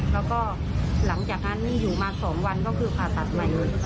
แล้วก็หลังจากนั้นอยู่มา๒วันก็คือผ่าตัดใหม่เลย